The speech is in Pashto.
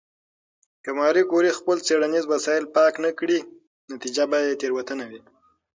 که ماري کوري خپل څېړنیز وسایل پاک نه کړي، نتیجه به تېروتنه وي.